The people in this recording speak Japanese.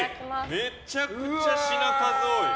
めちゃくちゃ品数多い！